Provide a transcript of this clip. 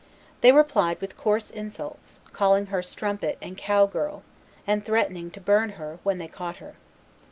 They replied with coarse insults, calling her strumpet and cow girl, and threatening to burn her when they caught her.